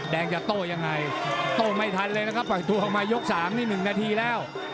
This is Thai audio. จะโต้ยังไงโต้ไม่ทันเลยนะครับปล่อยตัวออกมายก๓นี่๑นาทีแล้ว